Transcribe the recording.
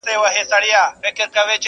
دواړي زامي یې له یخه رېږدېدلې,